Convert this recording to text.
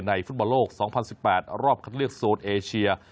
ในฟุตบาลโลก๒๐๑๘รอบคำเรียกโซนเอเชีย